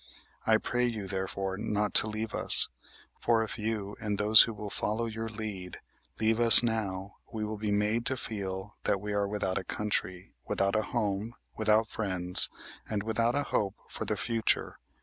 I pray you, therefore, not to leave us; for if you and those who will follow your lead leave us now we will be made to feel that we are without a country, without a home, without friends, and without a hope for the future.